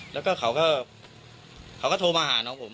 แล้วก็เขาก็โทรมาหาน้องผม